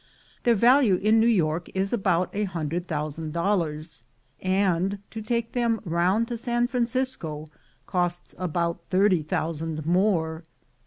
Their value in New York is about a hundred thousand dollars, and to take them round to San Francisco costs about thirty thousand more.